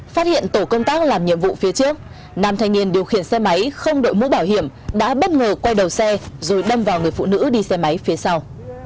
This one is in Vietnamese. phát hiện tổ công tác làm nhiệm vụ phía trước nam thanh niên điều khiển xe máy không đội mũ bảo hiểm đã bất ngờ quay đầu xe rồi đâm vào người phụ nữ đi xe máy phía sau